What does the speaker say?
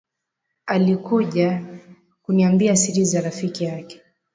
Alikuja kunambia siri za rafiki yake